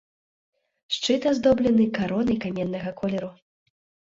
Шчыт аздоблены каронай каменнага колеру.